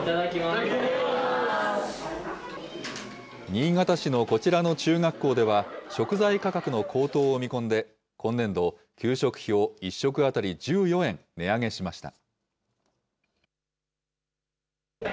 新潟市のこちらの中学校では、食材価格の高騰を見込んで、今年度、給食費を１食当たり１４円値上げしました。